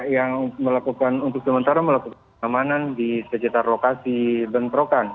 yang melakukan untuk sementara melakukan pengamanan di sekitar lokasi bentrokan